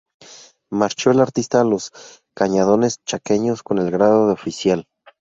Marchó el artista a los cañadones chaqueños con el grado de oficial.